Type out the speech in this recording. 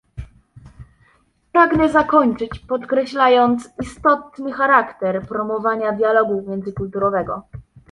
Pragnę zakończyć, podkreślając istotny charakter promowania dialogu międzykulturowego